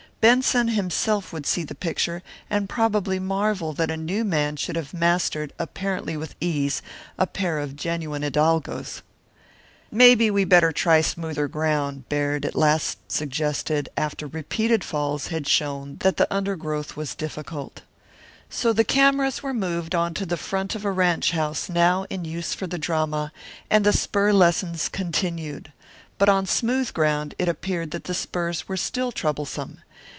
Benson himself would see the picture and probably marvel that a new man should have mastered, apparently with ease, a pair of genuine hidalgos. "Maybe we better try smoother ground," Baird at last suggested after repeated falls had shown that the undergrowth was difficult. So the cameras were moved on to the front of a ranche house now in use for the drama, and the spur lessons continued. But on smooth ground it appeared that the spurs were still troublesome.